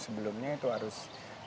sebelumnya itu harus